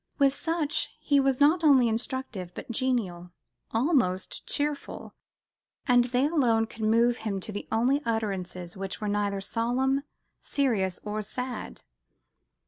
With such, he was not only instructive, but genial, almost cheerful; and they alone could move him to the only utterances which were neither "solemn, serious or sad."